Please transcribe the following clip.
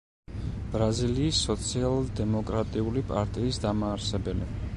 ბრაზილიის სოციალ-დემოკრატიული პარტიის დამაარსებელი.